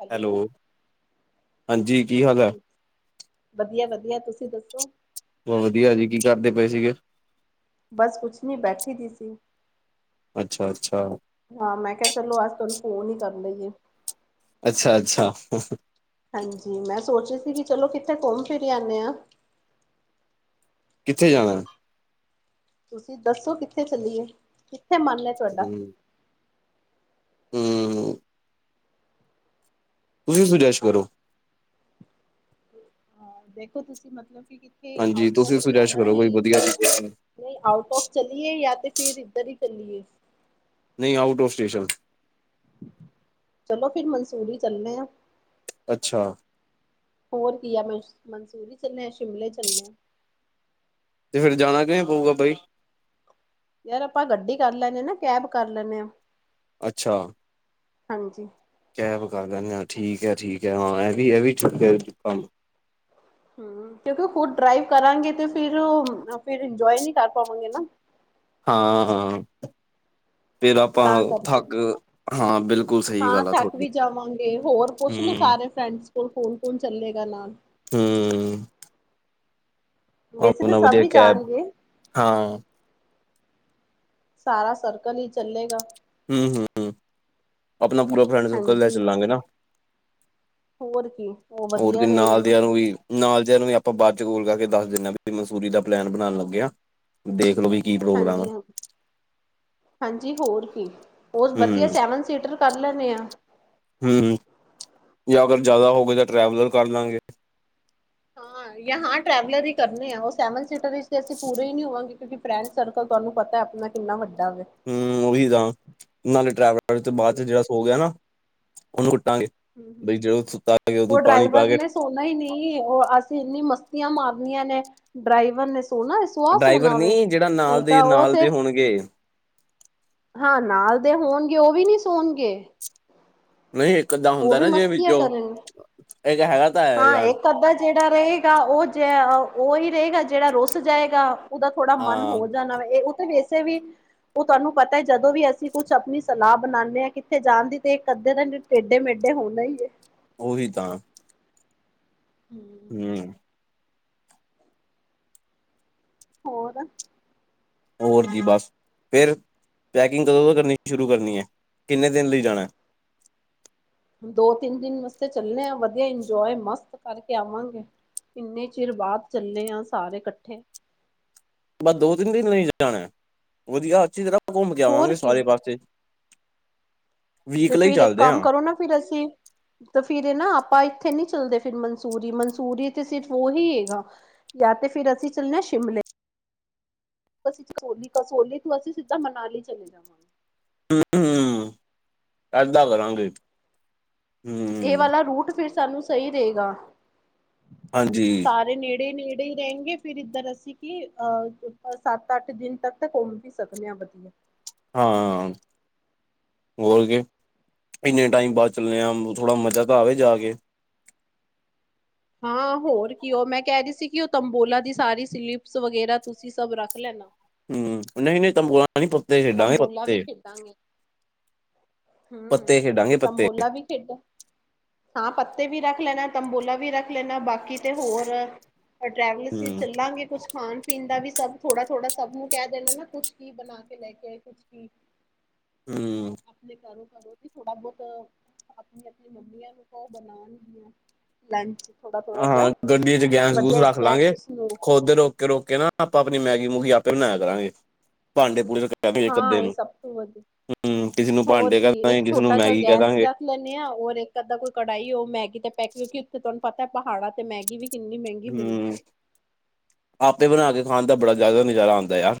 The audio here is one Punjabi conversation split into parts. ਹੈਲੋ, ਹਾਂਜੀ ਕੀ ਹਾਲ ਹੈ ਹਾਂਜੀ। ਵੱਧੀਆ- ਵੱਧੀਆ ਤੁਸੀਂ ਦੱਸੋ? ਬਸ ਵੱਧੀਆ ਜੀ, ਕੀ ਕਰਦੇ ਪਏ ਸੀਗੇ? ਬਸ ਕੁਛ ਨੀ ਬੈਠੀ ਦੀ ਸੀ। ਅੱਛਾ -ਅੱਛਾ। ਹਾਂ ਮੈਂ ਕੇਆ ਚਲੋ ਅੱਜ ਤੁਆਨੂੰ ਫੋਨ ਈ ਕਰਨ ਲਈਏ। ਅੱਛਾ -ਅੱਛਾ ਹੂਹੂ ਹਾਂਜੀ ਮੈਂ ਸੋਚ ਰੀ ਸੀ ਕਿ ਚਲੋ ਕਿੱਥੇ ਘੁੰਮ ਫਿਰ ਆਨੇ ਆਂਦੇ। ਕਿਥੇ ਜਾਣਾ? ਤੁਸੀਂ ਦੱਸੋ ਕਿਥੇ ਚੱਲੀਏ, ਕਿੱਥੇ ਮਨ ਏ ਤੋਡਾ? ਹੂੰ। ਤੁਸੀਂ ਸੁਜੈਸ਼ ਕਰੋ। ਹਾਂ ਦੇਖੋ ਤੁਸੀਂ ਮਤਲਬ ਕੀ ਹਾਂਜੀ ਤੁਸੀਂ ਸੁਜੈਸ਼ ਕਰੋ ਕੋਈ ਵਦੀਆ [unintelligible] ਨਈ ਆਊਟ ਔਫ ਚੱਲੀਏ ਯਾ ਤਾਂ ਫੇਰ ਈਦਰ ਈ ਚੱਲੀਏ? ਨਈ ਆਊਟ ਔਫ ਸਟੇਸ਼ [unintelligible] ਚਲੋ ਫੇਰ ਮਨਸੂਰੀ ਚੱਲਦੇ ਆਂ। ਅੱਛਾ। ਹੋਰ ਕੀ ਆ ਮੈਂਸ ਮਨਸੂਰੀ ਚੱਲੇ ਆ ਸ਼ਿਮਲੇ ਚੱਲੇ ਆਂ। ਤੇ ਫੇਰ ਜਾਣਾ ਕਿਵੇਂ ਪਊਗਾ ਬਈ? ਯਾਰ ਆਪਾਂ ਗੱਡੀ ਕਰ ਲੈਂਨੇ ਆ ਨਾ ਕੈਬ ਕਰ ਲੈਂਨੇ ਆਂ। ਅੱਛਾ। ਹਾਂਜੀ ਕੈਬ ਕਰ ਲੈਂਦੇ ਆ ਠੀਕ ਐ, ਠੀਕ ਐ ਹਾਂ ਐਵੀ, ਐਵੀ [unintelligible] ਹੂੰ, ਕਿਉਂਕਿ ਖੁ ਡਰਾਈਵ ਕਰਾਂਗੇ ਤੇ ਫਿਰ ਓ ਫਿਰ ਇੰਜੋਏ ਨੀ ਕਰ ਪਾਵਾਂਗੇ ਨਾ। ਹਾਂ-ਹਾਂ, [inaudible] ਤਾਂ ਕਰਕੇ, ਹਾਂ ਬਿਲਕੁਲ ਸਹੀ ਆਂ ਗੱਲ ਆ ਥੱਕ ਤੁਹਾਡੀ ਵੀ ਜਾਵਾਂਗੇ ਹੋਰ ਪੁੱਛ ਲੋ ਹਮ ਸਾਰੇ ਫਰੈਂਡਸ ਕੋਲ ਕੋਨ-ਕੋਨ ਚੱਲੇਗਾ ਨਾਲ। [unintelligible] ਵੈਸੇ ਤਾਂ ਆਪਣਾ ਸਭ ਵਦੀਆ ਹੀ ਕੈਬ, ਜਾਣਗੇ ਹਾਂ। ਸਾਰਾ ਸਰਕਲ ਈ ਚੱਲੇਗਾ। ਹੂੰ-ਹੂੰ-ਹੂੰ ਅਪਨਾ ਪੂਰਾ ਫਰੈਂਡ ਸਰਕਲ ਲੈ ਹਾਂਜੀ। ਚੱਲਾਂਗੇ ਨਾ, ਹੋਰ ਕੀ ਉਹ ਹੋਰ ਵਧੀਆ ਦੀ, ਰਹੇਗਾ ਨਾਲ ਦੀ ਨਾ ਨਾਲ ਓਈ ਨਾਲ ਦੀਆਂ ਨੂੰ ਵੀ ਆਪਾਂ ਬਾ ਚ ਗੋਲ ਖਾਕੇ ਦੱਸ ਦਿੰਦੇ ਵੀ ਮਨਸੂਰੀ ਦਾ ਪਲੈਨ ਬਣਾਨ ਲੱਗੇਆਂ। ਦੇਖਲੋ ਵੀ ਕੀ ਹਾਂਜੀ ਹਾ, ਹਾਂਜੀ ਹੋਰ ਕੀ। ਬੋਤ ਵਦੀਆ ਹਮ ਸੈਵਨ ਸੀਟਰ ਕਰ ਲੈਣੇ ਆਂ। ਹੂੰ, ਜਾਂ ਅਗਰ ਜਾਦਾ ਹੋ ਗਏ ਤਾਂ ਟਰੈਵਲਰ ਕਰ ਲਾਂਗੇ। [unintelligible] ਜਾਂ ਹਾਂ ਟਰੈਵਲਰ ਹੀ ਕਰਨੇ ਆ, ਓ ਸੈਵਨ ਸੀਟਰ ਤੇ ਅਸੀਂ ਪੂਰੇ ਈ ਨੀ ਹੋਵਾਂਗੇ, ਕਿਉਂਕਿ ਫਰੈਂਡ ਸਰਕਲ ਤੋਨੂੰ ਪਤਾ ਆਪਣਾਂ ਕਿੰਨਾ ਵੱਡਾ ਵੈ। ਹੂੰ ਓਹੀ ਤਾਂ ਨਾਲੇ ਟਰੈਵਲਰ ਤੇ ਬਾ ਹੂੰ, ਚ ਜੇੜਾ ਸੋ ਗੇਆ ਨਾ ਓਨੂੰ ਕੁੱਟਾਂਗੇ। ਹੂੰ, ਹੂੰ। ਬਈ ਜਦੋਂ ਸੁੂਤਾ [unintelligible] ਪਾਣੀ ਪਾ ਕੇ ਨਈਂ ਨੀ ਓ ਅਸੀਂ ਇੰਨੀ ਮਸਤੀ ਮਾਰਨੀਆਂ ਨੇ ਡਰਾਈਵਰ ਨੇ ਸੋਣਾ ਸੁਆ ਡਰਾਈਵਰ ਸੋਨਾ ਵੇ ਨੀ ਜਿਹੜਾ ਨਾਲ ਦੇ ਉਲਟਾ ਓ ਤੇ [unintelligible] ਹਾਂ ਨਾਲ ਦੇ ਹੋਣਗੇ ਓ ਵੀ ਨੀ ਸੋਨਗੇ। ਨਈਂ ਇੱਕ ਅੱਧਾ ਹੁੰਦਾ ਨਾ ਜਿਵੇਂ ਮਸਤੀਆਂ ਵਿਚੋਂ, ਕਰਨਗੇ ਇਕ ਹੈਗਾ ਤਾਂ ਹੈ ਹਾਂ ਯਾਰ ਇੱਕ ਅੱਧਾ ਜੇੜਾ ਰਏਗਾ ਓ ਜੈ, ਓਈ ਰਏਗਾ ਜੇੜਾ ਰੁੱਸ ਜਾਏਗਾ। ਉਦਾ ਥੋੜਾ ਮਨ ਹਾਂ ਹੋ ਜਾਣਾ ਵੈ ਏ ਓ ਵੇਸੇ ਵੀ ਓ ਧੋਨੂੰ ਪਤਾ ਐ ਜਦੋਂ ਵੀ ਅਸੀਂ ਕੁਛ ਆਪਣੀ ਸਲਾ ਬਣਾਦੇ ਆਂ ਕਿੱਥੇ ਜਾਣ ਦੀ ਤੇ ਇੱਕ ਅੱਧੇ ਦੇ ਟੇਡੇ ਮੇਡੇ ਹੋਂਨਾ ਈ ਏ। ਉਹੀ ਤਾਂ। ਹੂੰ ਹੂੰ। ਹੋਰ। ਹੋਰ ਕੀ ਬਸ ਫੇਰ ਪੈਕਿੰਗ ਕਦੋਂ ਤੋਂ ਕਰਨੀ ਸ਼ੁਰੂ ਕਰਨੀ ਏ, ਕਿੰਨੇ ਦਿਨ ਲਈ ਜਾਣੈ। ਦੋ ਤਿੰਨ ਦਿਨ ਵਾਸਤੇ ਚੱਲਨੇ ਆ ਵਧੀਆ ਇੰਨਜੋਏ ਮਸਤ ਕਰਕੇ ਆਵਾਂਗੇ। ਇੰਨੇ ਚਿਰ ਬਾਦ ਚੱਲੇ ਆਂ ਸਾਰੇ ਕੱਠੇ। ਬਸ ਦੋ ਤਿੰਨ ਦਿਨ ਲਈ ਜਾਣੈ, ਵਧੀਆ ਅੱਛੀ ਤਰ੍ਹਾਂ ਆਪ ਘੁੰਮ ਕੇ ਹੋਰ ਆਵਾਂਗੇ ਕੀ ਸਾਰੇ ਪਾਸੇ। ਵੀਕ 'ਤੇ ਲਈ ਫਿਰ ਏਕ ਚੱਲਦੇ ਕੰਮ ਹਾਂ ਕਰੋ ਨਾ ਫਿਰ ਅਸੀਂ ਤੇ ਫਿਰ ਇਹ ਨਾ ਆਪਾਂ ਇੱਥੇ ਨੀ ਚੱਲਦੇ ਫਿਰ ਮਨਸੂਰੀ ਮਨਸੂਰੀ ਤੇ ਸਿਰਫ ਉਹੀ ਹੈਗਾ। ਯਾਂ ਤੇ ਫਿਰ ਅਸੀਂ ਚੱਲੇ ਆਂ ਸ਼ਿਮਲੇ। ਅਸੀਂ ਕਸੋਲੀ-ਕਸੋਲੀ ਤੋਂ ਅਸੀਂ ਸਿੱਧਾ ਮਨਾਲੀ ਚਲੇ ਜਾਵਾਂਗੇ। ਹੂੰ ਹੂੰ ਐਦਾਂ ਕਰਾਂਗੇ। ਏ ਹਮ ਵਾਲਾ ਰੂਟ ਫਿਰ ਸਾਨੂੰ ਸਈ ਰਏਗਾ। ਹਾਂਜੀ। ਸਾਰੇ ਨੇੜੇ- ਨੇੜੇ ਈ ਰਏਗੇ ਫਿਰ ਇੱਧਰ ਅਸੀਂ ਕਿ ਅਹ ਸੱਤ ਅੱਠ ਦਿਨ ਤੱਕ ਤਾਂ ਘੁੰਮ ਵੀ ਸਕਨੇ ਆਂ ਵਧੀਆ। ਹਾਂ। ਹੋਰ ਕੀ ਇੰਨੇ ਟਾਈਮ ਬਾਅਦ ਚੱਲੇ ਆਂ ਥੋੜਾ ਮਜ਼ਾ ਤਾਂ ਆਵੇ ਜਾ ਕੇ। ਹਾਂ ਹੋਰ ਕੀ ਉ ਮੈਂ ਕੈ ਰਹੀ ਸੀ ਕਿ ਉ ਤੰਬੋਲਾ ਦੀ ਸਾਰੀ ਸਲਿਪਸ ਵਗੈਰਾ ਤੁਸੀਂ ਸਭ ਰੱਖ ਲੈਨਾ। ਹੂੰ ਨਈ-ਨਈ ਤੰਬੋਆਂ ਪਾਣੀ ਪ੍ਰਤੇਕ [unintelligible] ਕੰਬੋਲਾ ਵੀ ਖੇਡਾਂਗੇ। ਹੂੰ ਪੱਤੇ ਖੇਡਾਂਗੇ ਪੱਤੇ ਤਂਬੋਲਾ ਵੀ ਖੇਡਾਂ ਹਾਂ ਪੱਤੇ ਵੀ ਰੱਖ ਲੈਨਾ, ਤੰਬੋਲਾ ਵੀ ਰੱਖ ਲੈਨਾ ਬਾਕੀ ਤੇ ਹੋਰ ਟ੍ਰੈਵਲਸ 'ਚ ਹਮ ਚੱਲਾਂਗੇ ਕੁਛ ਖਾਨ- ਪੀਨ ਦਾ ਵੀ ਸਭ ਥੋੜਾ -ਥੋੜਾ ਸਭ ਨੂੰ ਕੈ ਦੇਨਾ ਨਾ ਕੁਛ ਕੀ ਬਨਾ ਕੇ ਲੈ ਕੇ ਕੁਛ ਕੀ ਹਮ ਆਪਣੇ ਘਰੋ-ਘਰੋ ਕਿ ਥੋੜਾ ਬਹੁਤ ਆਪਨੀ -ਆਪਨੀ ਮੰਮੀਆਂ ਨੂੰ ਕੳ ਉ ਬਨਾਨਗੀਆਂ। ਲੰਚ ਥੋੜਾ-ਥੋੜਾ ਜਾ ਹਾਂ ਗੱਡੀ ਚ ਕੁਛ ਵਧੀਆ ਸਨੈਕਸ-ਸਨੂਕਸ ਰੋਕੇ ਨਾ ਆਪਾਂ ਆਪਨੀ ਮੈਗੀ ਮੂਗੀ ਆਪੇ ਬਨਾਇਆ ਕਰਾਂਗੇ ਭਾਂਡੇ ਪੂੜੇ ਇਕ ਹਾਂ ਅੱਧੇ ਇਹ ਨੂੰ, ਸਭ ਤੋਂ ਵਧੀਆ ਹੂੰ ਕਿਸੇ ਨੂੰ ਭਾਂਡੇ ਕੈ ਕੀ ਇੱਕ ਦਾਂਗੇ ਕਿਸੇ ਨੂੰ ਛੋਟਾ ਜਿਹਾ ਮੈਗੀ ਕੈ ਗੈਸ ਦਾਂਗੇ। ਰੱਖ ਮੰਨਿਆ ਹੋਰ ਇੱਕ ਅੱਧਾ ਕੋਈ ਕੜਾਈ ਉ ਮੈਗੀ ਤੇ ਪੈਕਟ ਕਿਉਂਕਿ ਉੱਥੇ ਤੁਹਾਨੂੰ ਪਤਾ ਪਹਾੜਾਂ ਤੇ ਮੈਗੀ ਵੀ ਕਿੰਨੀ ਮਹਿੰਗੀ ਮਿਲਦੀ ਹੂੰ ਹੈ। ਆਪੇ ਬਨਾ ਕੇ ਖਾਨ ਦਾ ਬੜਾ ਜਾਦਾ ਨਜ਼ਾਰਾ ਆਉਂਦਾ ਆ।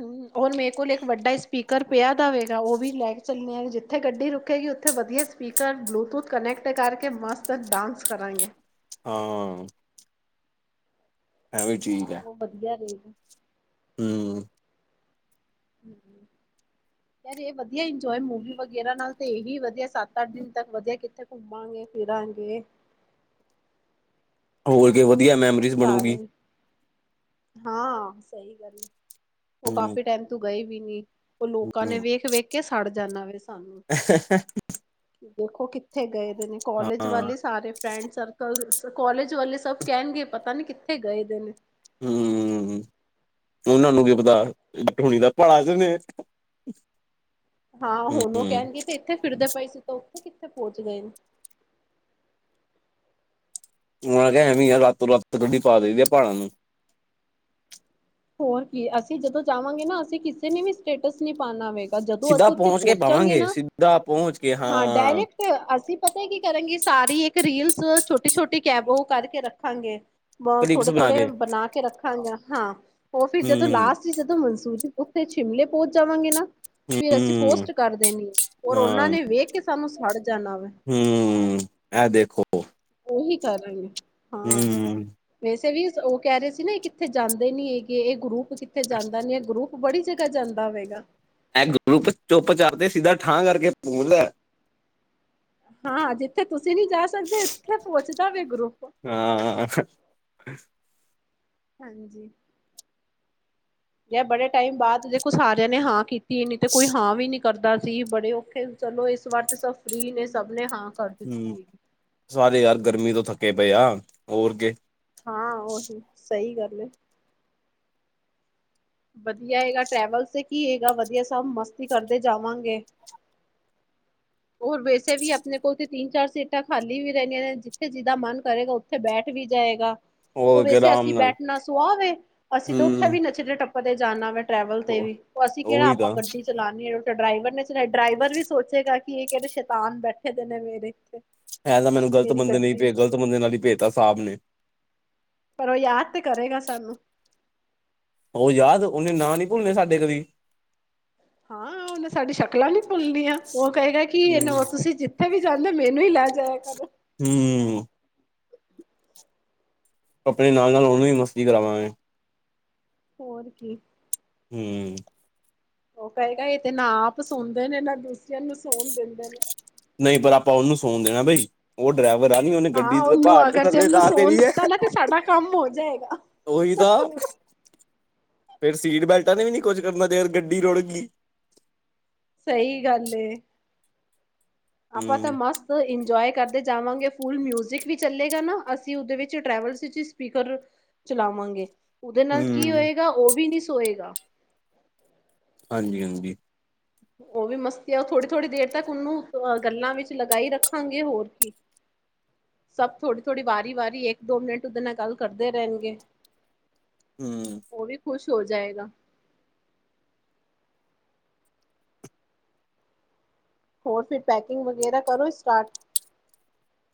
ਹੂੰ ਔਰ ਮੇਰੇ ਕੋਲ ਇੱਕ ਵੱਡਾ ਸਪੀਕਰ ਪਿਆ ਦਾ ਹੋਵੇਗਾ, ਉ ਵੀ ਲੈ ਕੇ ਚੱਲਨੇ ਜਿੱਥੇ ਗੱਡੀ ਰੁਕੇੇਗੀ ਉੱਥੇ ਵਧੀਆ ਸਪੀਕਰ ਬਲੂਟੂਥ ਕਨੈਕਟ ਕਰਕੇ ਮਸਤ ਡਾਂਸ ਕਰਾਂਗੇ। ਹਾਂ। ਐ ਵੀ ਠੀਕ ਏ। ਉਹ ਵਧੀਆ ਰਹੇਗਾ। ਹੂੰ। [inaudible] ਯਾਰ ਏ ਵਧੀਆ ਇੰਜੋਏ ਮੂਵੀ ਵਗੈਰਾ ਨਾਲ ਤੇ ਏ ਵਧੀਆ ਸੱਤ ਅੱਠ ਦਿਨ ਤੱਕ ਵਧੀਆ ਕਿੱਥੇ ਘੁੰਮਾਂਗੇ ਫਿਰਾਂਗੇ। ਹੋਰ ਕਿ ਵਧੀਆ ਮੈਮਰੀ ਸਾਰੇ ਹਾਂ ਸਈ ਗੱਲ ਏ, ਉ ਹੂੰ ਕਾਫੀ ਟਾਈਮ ਤੋ ਗਏ ਵੀ ਨੀ। ਉਹ ਲੋਕਾਂ ਨੇ ਹੂੰ ਵੇਖ ਵੇਖ ਕੇ ਸੜ ਜਾਂਣਾ ਵੇ ਸਾਨੂੰ। ਦੇਖੋ ਕਿੱਥੇ ਗਏ ਦੇ ਨੇ ਕੌਲਜ ਹਾਂ ਵਾਲੇ ਸਾਰੇ ਫਰੈਂਡ ਸਰਕਲ। ਕੌਲਜ ਵਾਲੇ ਸਭ ਕਹਿਣਗੇ ਪਤਾ ਨੀ ਕਿੱਥੇ ਗਏ ਦੇਣੇ, ਹਮ ਉਹਨਾਂ ਨੂੰ ਕੀ ਪਤਾ ਠੋਣੀ ਦਾ ਪਹਾੜਾਂ ਚੇ ਨੇ। ਹਾਂ ਹੂੰ ਹੁਣ ਉਹ ਕਹਿਣ ਦੀ ਤੇ ਇੱਥੇ ਫਿਰਦੇ ਪਏ ਸੀ ਤਾਂ ਉੱਥੇ ਕਿੱਥੇ ਪਹੁੰਚ ਗਏ ਨੇ। ਉਹਨਾਂ ਕਿਹਾ ਐਵੇਂ ਆ ਰਾਤੋ ਰਾਤ ਗੱਡੀ ਪਾ ਦੇਦੀ ਆ ਪਹਾੜਾਂ ਨੂੰ। ਹੋਰ ਕੀ ਅਸੀ ਜਦੋ ਜਾਵਾਂਗੇ ਨਾ ਅਸੀ ਕਿਸੇ ਨੇ ਵੀ ਸਟੇਟਸ ਨੀ ਪਾਣਾਵੇ। ਜਦੋ ਸਿੱਧਾ ਅਸੀ ਉੱਥੇ ਪਹੁੰਚ ਕੇ ਪਹੁੰਚਾਂਗੇ ਪਾਵਾਂਗੇ ਨਾ ਸਿੱਧਾ ਪਹੁੰਚ ਕੇ ਹਾਂ ਡਾਇਰੈਕਟ। ਅਸੀ ਪਤਾ ਕੀ ਕਰਾਂਗੇ ਸਾਰੀ ਇੱਕ ਰੀਲਸ ਛੋਟੀ ਛੋਟੀ ਕੈਬੋ ਕਰਕੇ ਰੱਖਾਂਗੇ। ਕਲਿਪਸ ਥੋੜੇ ਬਣਾ ਥੋੜੇ ਕੇ ਬਣਾ ਕੇ ਰੱਖਾਂਗੇ ਹਾਂ ਉਹ ਫਿਰ ਜਦੋਂ ਹੂੰ ਲਾਸਟ। ਸੀ ਜਦੋਂ ਮਨਸੂਰ ਜੀ ਉੱਥੇ ਸ਼ਿਮਲੇ ਪਹੁੰਚ ਜਾਵਾਂਗੇ ਨਾ। ਫਿਰ ਅਸੀ ਹੂੰ ਪੋਸਟ ਕਰ ਦੇਣੀ ਆ ਔਰ ਹਾਂ ਉਹਨਾ ਨੇ ਵੇਖ ਕੇ ਸਾਨੂੰ ਸੜ ਜਾਣਾ ਵੇ। ਹੂੰ ਇਹ ਦੇਖੋ। ਉਹੀ ਕਰ ਰਹੀ ਆ। ਹਮ, ਵੈਸੇ ਵੀ ਉਹ ਕਹਿ ਰਹੇ ਸੀ ਨਾ ਕਿੱਥੇ ਜਾਂਦੇ ਨੀ ਹੈਗੇ ਇਹ ਗਰੁੱਪ ਕਿੱਥੇ ਜਾਂਦਾ ਨੀ ਇਹ ਗਰੁੱਪ। ਉਹ ਬੜੀ ਜਗਾ ਜਾਂਦਾ ਹੋਵੇਗਾ। ਐ ਗੁੱਪ ਚੁੱਪ ਚਾਪ ਤੇ ਸਿੱਧਾ ਠਾਂ ਕਰਕੇ ਪੁਲ ਏ,। ਹਾਂ ਜਿੱਥੇ ਤੁਸੀ ਨੀ ਜਾ ਸਕਦੇ ਉੱਥੇ ਪਹੁੰਚਦਾ ਵੀੇ ਗਰੁੱਪ। ਹਾਂ, ਹਾਂਜੀ ਜਾਂ ਬੜੇ ਟਾਈਮ ਬਾਅਦ ਦੇਖੋ ਸਾਰਿਆਂ ਨੇ ਹਾਂ ਕੀਤੀ ਨੀ ਤੇ ਕੋਈ ਹਾਂ ਵੀ ਨੀ। ਕਰਦਾ ਸੀ ਬੜੇ ਔਖੇ ਚਲੋ ਇਸ ਵਾਰ ਤਾਂ ਸਭ ਫ੍ਰਰੀ ਨੇ ਸਭ ਨੇ ਹਾਂ। ਕਰ ਦਿੱਤੀ ਹਮ ਹੈਗੀ ਸਾਰੇ ਯਾਰ ਗਰਮੀ ਤੋਂ ਥੱਕੇ ਪਏ ਆ ਹੋਰ ਕਿ। ਹਾਂ ਉਹੀ ਸਹੀ ਗੱਲ ਹੈ। ਵਧੀਆ ਹੈਗਾ ਟ੍ਰੈਵਲ ਤੇ ਕੀ ਹੈਗਾ ਵਧੀਆ ਸਭ ਮਸਤੀ ਕਰਦੇ ਜਾਵਾਂਗੇ। [inaudible] ਹੋਰ ਵੈਸੇ ਵੀ ਆਪਣੇ ਕੋਲ ਤੇ ਤਿੰਨ ਚਾਰ ਸੀਟਾਂ ਖਾਲੀ ਵੀ ਰਹਿੰਆਂ ਨੇ ਜਿੱਥੇ ਜਿਦਾ ਮਨ ਕਰੇਗਾ। ਉੱਥੇ ਬੈਠ ਵੀ ਜਾਏਗਾ। ਉਹ ਹੋਰ ਕੇ ਵੈਸੇ ਆਰਾਮ ਅਸੀ ਨਾਲ ਬੈਠਣਾ ਸੁਆ ਵੇ ਅਸੀ ਤਾਂ ਉੱਥੇ ਹੂੰ ਵੀ ਨੱਚਦੇ ਟੱਪਦੇ ਜਾਣਾ ਵੈ। ਟਰੈਵਲ ਤੇ ਵੀ ਉਹ ਅਸੀ ਕਿਹੜਾ ਉਹੀ ਆਪਾਂ ਤਾਂ ਗੱਡੀ। ਚਲਾਣੀ ਏ ਡਰਾਈਵਰ ਨੇ ਡਰਾਈਵਰ ਵੀ ਸੋਚੇਗਾ ਕਿ ਇਹ ਕਿਹੜੇ ਸ਼ੈਤਾਨ ਬੈਠੇ ਦੇ ਨੇ ਮੇਰੇ। ਇਹ ਤਾਂ ਮੈਨੂੰ ਗਲਤ ਮੇਰੀ ਬੰਦੇ ਨੇ ਲਈ ਗੱਡੀ ਪੇ ਗਲਤ ਬੰਦੇ ਨਾਲ ਹੀ ਭੇਜ ਤਾ ਸਾਹਿਬ ਨੇ। ਪਰ ਉਹ ਯਾਦ ਤੇ ਕਰੇਗਾ ਸਾਨੂੰ। ਉਹ ਯਾਦ ਉਹਨੇ ਨਾਂ ਨੀ ਭੁੱਲਣੇ ਸਾਡੇ ਕਦੀ। ਹਾਂ ਉਹਨੇ ਸਾਡੀ ਸ਼ਕਲਾਂ ਨਹੀ ਭੁੱਲਣੀਆਂ ਉਹ ਕਹੇਗਾ ਕਿ ਹੂੰ ਇਹਨੇ ਉਹ ਤੁਸੀ ਜਿੱ। ਜਿੱਥੇ ਵੀ ਜਾਂਦੇ ਮੈਨੂੰ ਹੀ ਲੈ ਜਾਇਆ ਕਰੋ। ਹੂੰ ਹੂੰ, ਆਪਣੇ ਨਾਲ ਨਾਲ ਉਹਨੂੰ ਵੀ ਮਸਤੀ ਕਰਾਵਾਂਗੇ, ਹੋਰ ਕੀ, ਹਮ, ਉਹ ਕਹੇਗਾ ਇਹ ਤੇ ਨਾ ਆਪ ਸੋਂਦੇ ਨੇ ਨਾ ਦੂਸਰਿਆਂ ਨੂੰ ਸੌਣ ਦਿੰਦੇ ਨੇ, ਨਹੀਂ ਪਰ ਆਪਾਂ ਉਹਨੂੰ ਸੌਣ ਦੇਣਾ ਬਾਈ, ਉਹ ਡਰਾਈਵਰ ਆ ਨੀਂ ਉਹਨੇ ਹਾਂ ਗੱਡੀ ਉਹਨੂੰ ਪਹਾੜ ਤੋਂ ਅਗਰ ਜੇ ਥੱਲੇ ਉਹਨੂੰ ਤਾਰ ਸੌਣ ਦੇਣੀ ਹੈ। ਦਿੱਤਾ ਨਾ ਤੇ ਸਾਡਾ ਕੰਮ ਹੋ ਜਾਏਗਾ ਉਹੀ ਤਾਂ ਫੇਰ ਸੀਟ ਬੈਲਟਾਂ ਨੇ ਵੀ ਨੀ ਕੁਝ ਕਰਨਾ ਜੇ ਗੱਡੀ ਰੁੜ ਗਈ। ਸਹੀ ਗੱਲ ਏ। ਆਪਾਂ ਤਾਂ ਹੂੰ ਮਸਤ ਇੰਜੋਏ ਕਰਦੇ ਜਾਵਾਂਗੇ ਫੁਲ ਮਿਊਜਿਕ ਵੀ ਚੱਲੇਗਾ ਨਾ, ਅਸੀਂ ਉਹਦੇ ਵਿੱਚ ਟ੍ਰੈਵਲਸ ਵਿੱਚ ਸਪੀਕਰ ਚਲਾਵਾਂਗੇ, ਉਹਦੇ ਨਾਲ ਕੀ ਹੂੰ ਹੋਏਗਾ, ਉਹ ਵੀ ਨੀ ਸੋਏਗਾ। ਹਾਂਜੀ -ਹਾਂਜੀ। ਉਹ ਵੀ ਮਸਤੀ ਆ, ਉਹ ਥੋੜੀ -ਥੋੜ੍ਹੀ ਦੇਰ ਤੱਕ ਉਹਨੂੰ ਅ ਗੱਲਾਂ ਵਿੱਚ ਲਗਾਈ ਰੱਖਾਂਗੇ, ਹੋਰ ਕੀ। [inaudible] ਸਭ ਥੋੜ੍ਹੀ- ਥੋੜ੍ਹੀ, ਵਾਰੀ -ਵਾਰੀ ਇੱਕ- ਦੋ ਮਿੰਟ ਉਹਦੇ ਨਾਲ ਗੱਲ ਕਰਦੇ ਰਹਿਣਗੇ। ਹੂੰ। ਉਹ ਵੀ ਖੁਸ਼ ਹੋ ਜਾਏਗਾ। ਹੋਰ ਫਿਰ ਪੈਕਿੰਗ ਵਗੈਰਾ ਕਰੋ ਸਟਾਰਟ।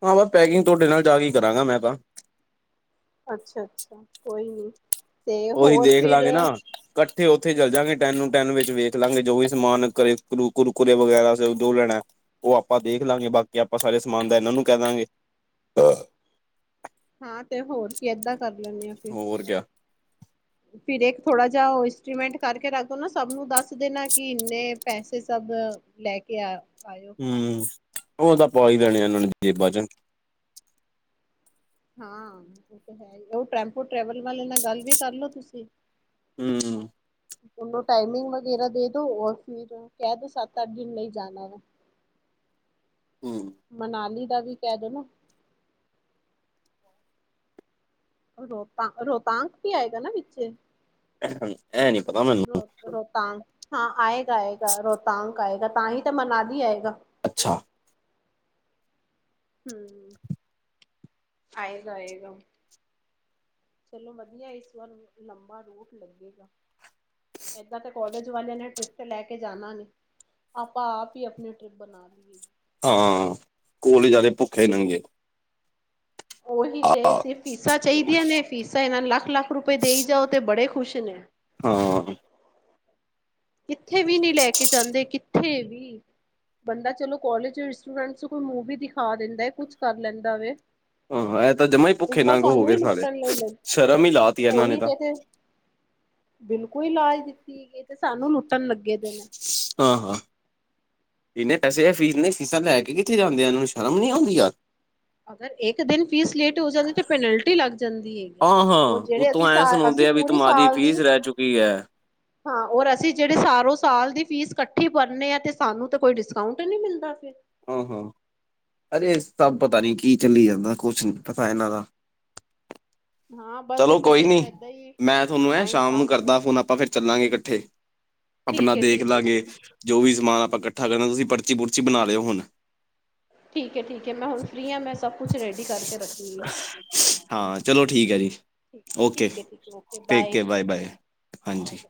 ਹਾਂ ਬਸ ਪੈਕਿੰਗ ਤੁਹਾਡੇ ਨਾਲ ਜਾ ਕੇ ਕਰਾਂਗਾ ਮੈਂ ਤਾਂ। ਅੱਛਾ- ਅੱਛਾ ਕੋਈ ਨਹੀਂ। ਉਹੀ ਦੇਖ ਲਾਂਗੇ ਨਾ। ਕੱਠੇ ਉਥੇ ਚਲ ਜਾਂ ਗੇ ਟੈਨ ਨੂੰ ਟੈਂਨ ਵਿੱਚ ਵੇਖ ਲਾਂਗੇ, ਜੋ ਵੀ ਸਮਾਨ ਘਰੇ ਕਰੇੂ ਕੁਰਕੁਰੇ ਵਗੈਰਾ ਜੋ ਲੈਣਾ ਉਹ ਆਪਾਂ ਦੇਖ ਲਾਂਗੇ ਬਾਕੀ ਆਪਾਂ ਸਾਰੇ ਸਮਾਨ ਦਾ ਇਹਨਾਂ ਨੂੰ ਕਹਿ ਦਵਾਂਗੇ। ਹਾਂ ਤੇ ਹੋਰ ਕੀ ਏਦਾਂ ਕਰ ਲੈਂਦੇ ਆ। ਫਿਰ ਹੋਰ ਕਿਆ। ਫਿਰ ਇੱਕ ਥੋੜਾ ਜਿਹਾ ਉਹ ਇੰਸਟਮੈਂਟ ਕਰਕੇ ਰੱਖਦੋ ਨਾ ਸਭ ਨੂੰ ਦੱਸ ਦੇਣਾ ਕਿ ਇੰਨੇ ਪੈਸੇ ਸਭ ਲੈ ਕੇ ਆ ਆਇਓ ਹੂੰ, ਉਹ ਤਾਂ ਪਾ ਹੀ ਲੈਣੇ ਇਹਨਾਂ ਨੇ ਜੇਬਾਂ 'ਚ ਹਾਂ, ਉਹ ਤੇ ਹੈ, ਉਹ ਟੈਂਪੂ ਟਰੈਵਲ ਵਾਲੇ ਨਾਲ ਗੱਲ ਵੀ ਕਰਲੋ ਤੁਸੀਂ। ਹੂੰ -ਹੂੰ ਉਹਨੂੰ ਟਾਈਮਿੰਗ ਵਗੈਰਾ ਦੇ ਦੋ ਔਰ ਫਿਰ ਕਹਿ ਦੋ ਸੱਤ -ਅੱਠ ਦਿਨ ਲਈ ਜਾਣਾ ਮੈਂ। ਮਨਾਲੀ ਦਾ ਵੀ ਕਹਿ ਦੇਣਾ। ਰੋਹਤਾ ਰੋਹਤਾਂਗ ਹੀ ਆਏਗਾ ਨਾ ਵਿੱਚ। ਏਹ ਗਲ, ਇਹ ਨੀਂ ਪਤਾ ਮੈਨੂੰ। ਰੋ ਰੋਹਤਾਂਗ ਹਾਂ ਆਏਗਾ -ਆਏਗਾ ਰੋਹਤਾਂਗ ਆਏਗਾ ਤਾਂ ਹੀ ਤਾਂ ਮਨਾਲੀ ਆਏਗਾ। ਅੱਛਾ! ਹੂੰ, ਆਏਗਾ, ਆਏਗਾ। ਚਲੋ ਵਧੀਆ ਇਸ ਵਾਰ ਲੰਬਾ ਰੂਟ ਲੱਗੇਗਾ। ਏਦਾਂ ਤਾਂ ਕੋਲਜ ਵਾਲਿਆਂ ਨੇ ਟ੍ਰਿਪ ਤੇ ਲੈ ਕੇ ਜਾਣਾ ਨੀਂ। ਆਪਾਂ ਆਪ ਹੀ ਆਪਣੀ ਟਰਿਪ ਬਣਾ ਲਈਏ। ਹਾਂ, ਕੋਲੇ ਜਿਆਦੇ ਭੁੱਖੇ ਨੰਗੇ। ਠੀਕ ਹਾਂ ਏ ਸੀ ਫੀਸਾਂ ਚਾਹੀਦੀਆਂ ਨੇ, ਫੀਸਾਂ ਇਹਨਾਂ ਲੱਖ -ਲੱਖ ਰੁਪਏ ਦੇਈ ਜਾਓ ਤੇ ਬੜੇ ਖ਼ੁਸ਼ ਨੇ। ਹਾਂ। ਕਿੱਥੇ ਵੀ ਨਹੀਂ ਲੈ ਕੇ ਜਾਂਦੇ, ਕਿੱਥੇ ਵੀ। ਬੰਦਾ ਚਲੋ ਕੋਲਜ ਸਟੂਡੈਂਟਸ ਕੋ ਮੂਵੀ ਦਿਖਾ ਦਿੰਦਾ, ਕੁਛ ਕਰ ਲੈਂਦਾ ਵੈ। ਹੂੰ, ਐ ਤਾਂ ਜਮਾ ਹੀ ਭੁੱਖੇ ਨੰਗ ਹੋ ਸਾਲ਼ੇ, ਲੁੱਟਣ ਲਈ ਲੱ ਸ਼ਰਮ ਹੀ ਲਾਤੀ ਏ ਇਹਨਾਂ ਨੇ ਉਹੀ ਤਾਂ। ਤੇ ਤੇ ਬਿਲਕੁਲ ਈ ਲਾ ਦਿੱਤੀ ਹੈਗੀ ਤੇ ਸਾਨੂੰ ਲੁੱਟਣ ਲੱਗੇ ਦੇ ਨੇ। ਆਂ ਹਾਂ। ਇੰਨੇ ਪੈਸੇ ਏ ਫੀਸ ਏਨੇ ਫੀਸਾਂ ਲੈਕੇ ਕਿੱਥੇ ਜਾਂਦੇ ਆ ਇਹਨਾਂ ਨੂੰ ਸ਼ਰਮ ਨੀ ਆਂਦੀ ਯਾਰ। ਅਗਰ ਇਕ ਦਿਨ ਫੀਸ ਲੇਟ ਹੋ ਜਾਂਦੀ ਤੇ ਪੈਨਲਟੀ ਲੱਗ ਜਾਂਦੀ ਹੈਗੀ। ਹਾਂ ਉਹ ਹਾਂ ਜਿਹੜੇ ਉਤੋਂ ਅਸੀਂ ਸ ਐਂ ਅਸੀਂ ਸੁਣਾਉਂਦੇ ਆ ਵੀ ਪੂਰੀ ਤੁਹਾਡੀ ਸਾਲ ਦੀ ਫੀਸ ਰਹਿ ਚੁੱਕੀ ਹੈ ਹਾਂ ਅਰ ਅਸੀਂ ਜਿਹੜੇ ਸਾਰੋਂ ਸਾਲ ਦੀ ਫੀਸ ਇਕੱਠੀ ਭਰਨੇ ਆ ਤੇ ਸਾਨੂੰ ਤਾਂ ਕੋਈ ਡਿਸਕਾਊਂਟ ਨਹੀਂ ਮਿਲਦਾ ਫਿਰ। ਆਂ ਹਾਂ, ਅਰੇ ਏ ਸਭ ਪਤਾ ਨੀ ਕੀ ਚੱਲੀ ਜਾਂਦਾ? ਕੁਛ ਨੀ ਪਤਾ ਏਹਨਾਂ ਦਾ। ਹਾਂ ਬਸ ਇਹ ਚਲੋ ਤੇ ਕੋਈ ਸਿਰਫ ਨੀ, ਏਦਾਂ ਹੀ ਮੈਂ ਥੋਨੂੰ ਐਂ ਟਾਈਮ ਸ਼ਾਮ ਨੂੰ ਪਾਸ ਕਰ ਕਰਦਾ ਫੋਨ ਆਪਾਂ ਫਿਰ ਹੂੰ ਚੱਲਾਂਗੇ ਕੱਠੇ। ਆਪਨਾ ਠੀਕ ਹੈ ਠੀਕ ਹੈ ਦੇਖਲਾਂਗੇ। ਠੀਕ ਜੋ ਵੀ ਸਮਾਨ ਆਪਾਂ ਕੱਠਾ ਕਰਨਾ ਤੁਸੀਂ ਪਰਚੀ-ਪੁਰਚੀ ਬਣਾ ਲਿਓ ਹੁਨ। ਠੀਕ ਐ, ਠੀਕ ਐ, ਮੈਂ ਹੁਨ ਫਰੀ ਆਂ, ਮੈਂ ਸਭ ਕੁਛ ਰੇਡੀ ਕਰਕੇ ਰੱਖਨੀ ਆਂ। ਹਾਂ, ਚਲੋ ਠੀਕ ਏ ਜੀ, ਠੀਕ ਓਕੇ, ਠੀਕ ਹੈ ਠੀਕ ਹੈ okay take bye care, bye bye, ਹਾਂਜੀ। ਬਾਏ।